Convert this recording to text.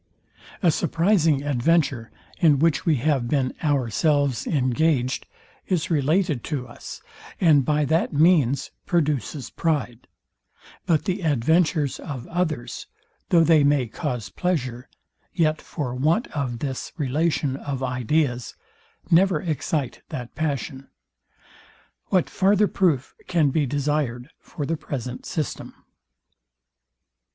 A surprising adventure, in which we have been ourselves engaged, is related to us, and by that means produces pride: But the adventures of others, though they may cause pleasure, yet for want of this relation of ideas, never excite that passion. What farther proof can be desired for the present system?